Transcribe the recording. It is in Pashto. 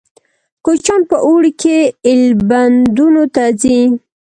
کوچیان په اوړي کې ایلبندونو ته ځي